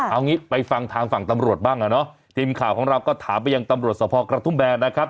เอางี้ไปฟังทางฝั่งตำรวจบ้างอ่ะเนอะทีมข่าวของเราก็ถามไปยังตำรวจสภกระทุ่มแบนนะครับ